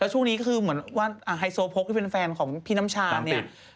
ช่วงนี้คือเหมือนว่าไฮโซโพกที่เป็นแฟนของพี่น้ำชาเนี่ย